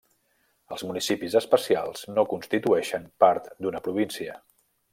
Els municipis especials no constitueixen part d'una província.